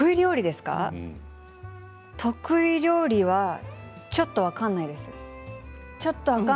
得意料理はちょっと分からないです。